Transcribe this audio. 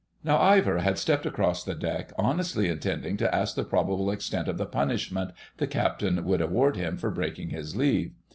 Now Ivor had stepped across the deck, honestly intending to ask the probable extent of the punishment the Captain would award him for breaking his leave.